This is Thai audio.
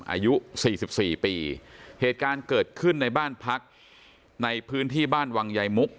อายุสี่สิบสี่ปีเหตุการณ์เกิดขึ้นในบ้านพักในพื้นที่บ้านวังใยมุก